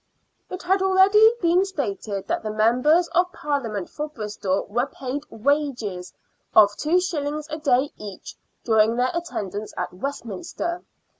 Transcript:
It has been already stated that the Members of Parlia ment for Bristol were paid " wages " of two shillings a day each during their attendance at Westminster.